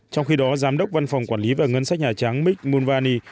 trong khi đó giám đốc văn phòng quản lý và ngân sách nhà trắng mick mulvaney